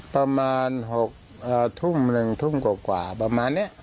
ประมาณ๖ทุ่ม๑ทุ่มกว่าประมาณนี้